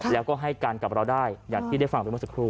แล้วก็ให้การกับเราได้อย่างที่ได้ฟังไปเมื่อสักครู่